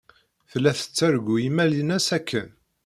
Tella tettargu imal-ines akken.